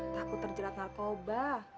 takut terjelat narkoba